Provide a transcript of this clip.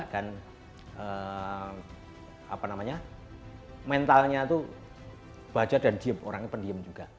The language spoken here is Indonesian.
dan mentalnya tuh baja dan diem orangnya pendiem juga